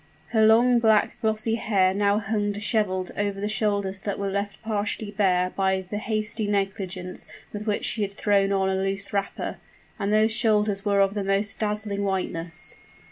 Her long, black, glossy hair now hung disheveled over the shoulders that were left partially bare by the hasty negligence with which she had thrown on a loose wrapper; and those shoulders were of the most dazzling whiteness.